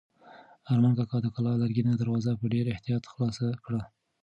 ارمان کاکا د کلا لرګینه دروازه په ډېر احتیاط خلاصه کړه.